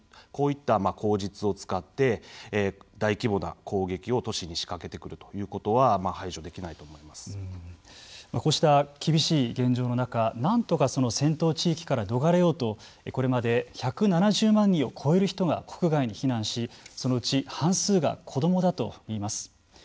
こういった口実を使って大規模な攻撃を都市に仕掛けてくるということはこうした厳しい現状の中なんとかその戦闘地域から逃れようとこれまで１７０万人を超える人が国外に避難しそのうち半数が子どもだといいます。